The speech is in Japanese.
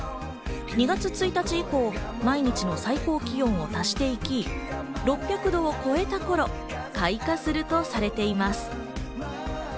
２月１日以降、毎日の最高気温を足していき、６００度を超えた頃、開花するとされています。